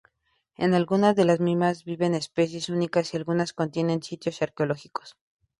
En algunas de las mismas viven especies únicas, y algunas contienen sitios arqueológicos.